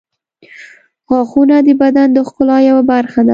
• غاښونه د بدن د ښکلا یوه برخه ده.